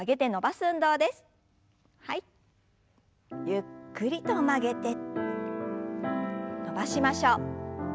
ゆっくりと曲げて伸ばしましょう。